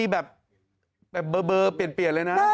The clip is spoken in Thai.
แบบเบอร์เปลี่ยนเลยนะ